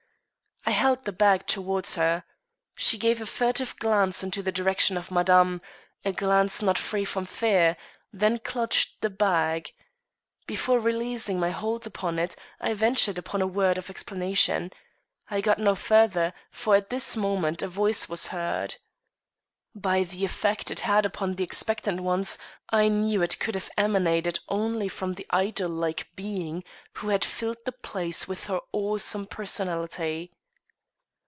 I held the bag towards her. She gave a furtive glance in the direction of Madame a glance not free from fear then clutched the bag. Before releasing my hold upon it I ventured upon a word of explanation. I got no further, for at this moment a voice was heard. By the effect it had upon the expectant ones, I knew it could have emanated only from the idol like being who had filled the place with her awesome personality.